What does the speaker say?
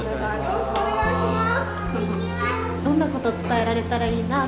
よろしくお願いします。